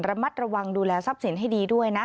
ระมัดระวังดูแลทรัพย์สินให้ดีด้วยนะ